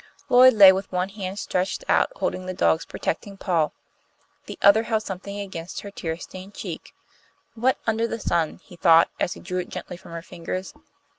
Lloyd lay with one hand stretched out, holding the dog's protecting paw. The other held something against her tear stained cheek. "What under the sun!" he thought, as he drew it gently from her fingers.